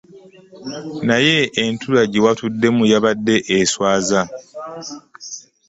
Naye entuula gye watuddemu yabadde eswaza.